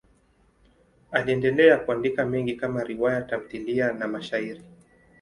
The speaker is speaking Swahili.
Aliendelea kuandika mengi kama riwaya, tamthiliya na mashairi.